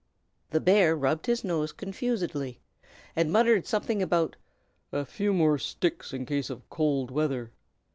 The bear rubbed his nose confusedly, and muttered something about "a few more sticks in case of cold weather."